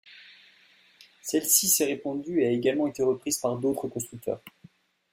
Celle-ci s'est répandue et a également été reprise par d'autres constructeurs.